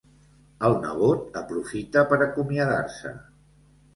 El nebot aprofita per acomiadar-se.